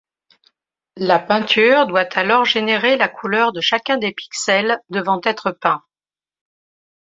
La peinture doit alors générer la couleur de chacun des pixels devant être peints.